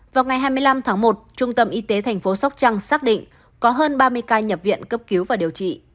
vào ngày hai mươi năm tháng một trung tâm y tế tp sóc trăng xác định có hơn ba mươi ca nhập viện cấp cứu và điều trị